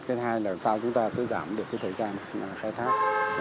cái hai là sao chúng ta sẽ giảm được cái thời gian khai tác